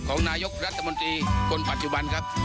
ของนายกรัฐมนตรีคนปัจจุบันครับ